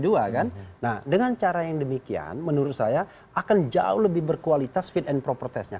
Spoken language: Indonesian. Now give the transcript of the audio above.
dua kan nah dengan cara yang demikian menurut saya akan jauh lebih berkualitas fit and proper testnya